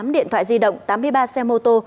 một mươi điện thoại di động tám mươi ba xe mô tô